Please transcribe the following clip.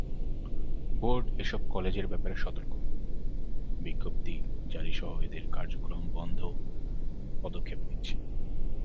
Board এসব কলেজের ব্যাপারে সতর্ক বিজ্ঞপ্তি জারিসহ এদের কার্যক্রম বন্ধে পদক্ষেপ নিচ্ছে।